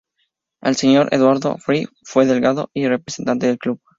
El señor Eduardo A. Fry fue delegado y representante del club.